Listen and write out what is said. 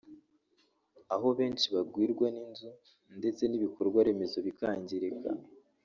aho benshi bagwirwa n’inzu ndetse n’ibikorwa remezo bikangirika